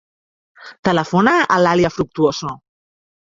Telefona a l'Alia Fructuoso.